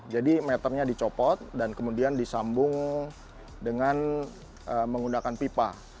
jadi meternya dicopot dan kemudian disambung dengan menggunakan pipa